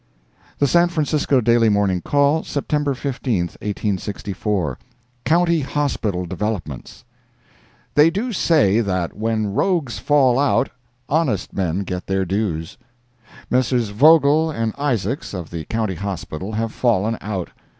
The San Francisco Daily Morning Call, September 15, 1864 COUNTY HOSPITAL DEVELOPMENTS They do say that when rogues fall out, honest men get their dues. Messrs. Vogel and Isaacs, of the County Hospital, have fallen out.